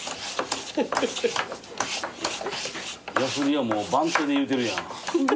やすりをもう番手で言うてるやん。